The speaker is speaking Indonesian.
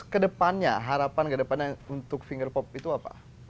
ke depannya harapan ke depannya untuk fingerpop itu apa